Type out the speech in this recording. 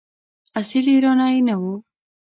اصیل ایرانی نه وو.